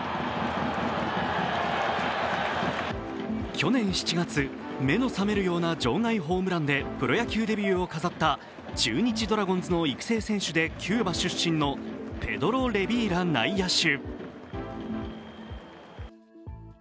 去年７月、目の覚めるような場外ホームランでプロ野球デビューを飾った中日ドラゴンズの育成選手でキューバ出身のペドロ・レビーラ内野手。